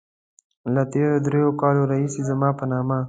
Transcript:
له تېرو دريو کالو راهيسې زما په نامه.